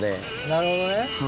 なるほどね。